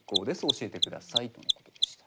教えてください」とのことでした。